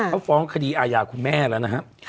เขาฟ้องคดีอาญาคุณแม่แล้วนะครับ